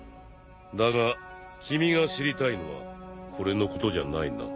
だが君が知りたいのはこれのことじゃないな。